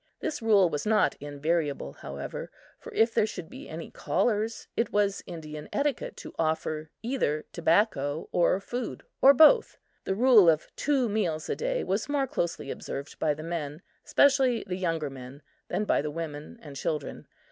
This rule was not invariable, however, for if there should be any callers, it was Indian etiquette to offer either tobacco or food, or both. The rule of two meals a day was more closely observed by the men especially the younger men than by the women and children.